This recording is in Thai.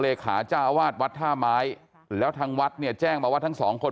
เลขาจ้าวาดวัดท่าไม้แล้วทางวัดเนี่ยแจ้งมาว่าทั้งสองคน